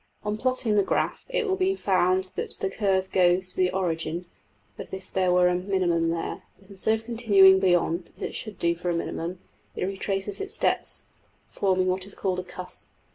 On plotting the graph it will be found that the \DPPageSep{120.png}% curve goes to the origin, as if there were a minimum there; but instead of continuing beyond, as it should do for a minimum, it retraces its steps (forming what is called a ``cusp'').